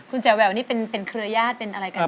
คุณแจ๋แววนี่เป็นเครือญาติเป็นอะไรกัน